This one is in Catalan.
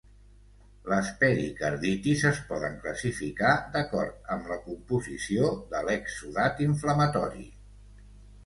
Les pericarditis es poden classificar d'acord amb la composició de l'exsudat inflamatori.